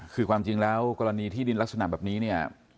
คือความจริงแล้วกรณีที่ดินลักษณะแบบนี้เนี่ย